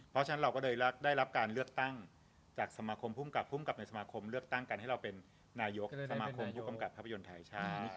เพราะฉะนั้นเราก็เลยได้รับการเลือกตั้งจากสมาคมภูมิกับภูมิกับในสมาคมเลือกตั้งกันให้เราเป็นนายกสมาคมผู้กำกับภาพยนตร์ไทยชาติ